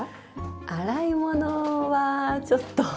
洗い物はちょっと。